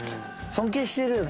尊敬してるよ